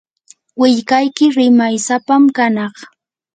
willkayki rimaysapam kanaq.